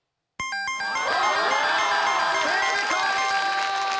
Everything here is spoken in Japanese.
正解！